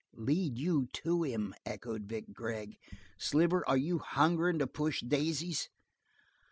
"Lead you to him?" echoed Vic Gregg. "Sliver, are you hungerin' to push daisies?"